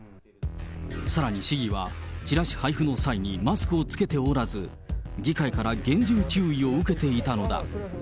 さらに市議はチラシ配布の際にマスクを着けておらず、議会から厳重注意を受けていたのだ。